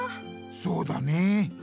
そうだねえ。